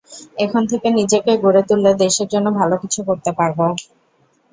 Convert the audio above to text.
এখন থেকে নিজেকে গড়ে তুললে দেশের জন্য ভালো কিছু করতে পারব।